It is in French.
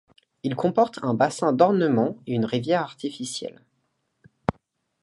Il comporte un bassin d'ornement et une rivière artificiels.